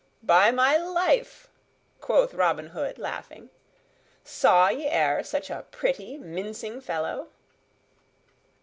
"By my life!" quoth Robin Hood, laughing, "saw ye e'er such a pretty, mincing fellow?"